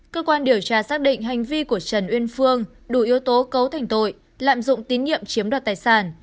cơ quan điều tra xác định hành vi của trần uyên phương đủ yếu tố cấu thành tội lạm dụng tín nhiệm chiếm đoạt tài sản